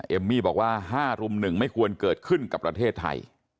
เอมมี่บอกว่า๕รุ่ม๑ไม่ควรเกิดขึ้นกับประเทศไทย